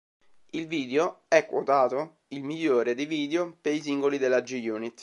Il video è quotato il migliore dei video per i singoli della G-Unit.